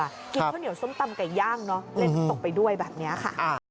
กินข้าวเหนียวส้มตำไก่ย่างเนอะเล่นน้ำตกไปด้วยแบบนี้ค่ะ